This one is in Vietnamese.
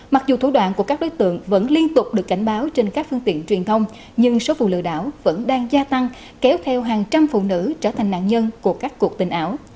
mặc dù thủ đoạn của các đối tượng vẫn liên tục được cảnh báo trên các phương tiện truyền thông nhưng số vụ lừa đảo vẫn đang gia tăng kéo theo hàng trăm phụ nữ trở thành nạn nhân của các cuộc tình ảo